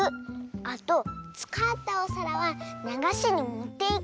あとつかったおさらはながしにもっていく。